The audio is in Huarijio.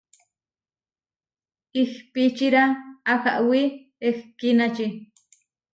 Ihpíčira ahawí ehkínači.